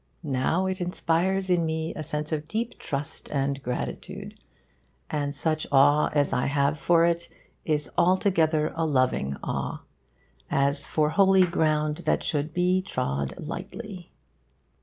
now it inspires in me a sense of deep trust and gratitude; and such awe as I have for it is altogether a loving awe, as for holy ground that should he trod lightly.